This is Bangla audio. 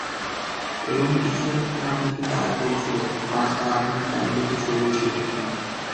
এবং কিছু একটা আপনাকে তাড়া করছিল আর তা আপনার চারদিকে ছড়িয়ে ছিল।